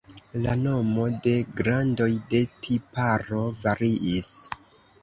La nomo de grandoj de tiparo variis.